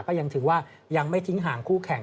ก็ยังถือว่ายังไม่ทิ้งห่างคู่แข่ง